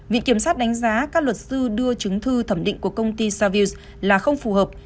vị kiểm soát đánh giá các luật sư đưa chứng thư thẩm định của công ty savius là không phù hợp